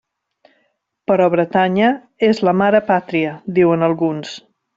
Però Bretanya és la mare pàtria, diuen alguns.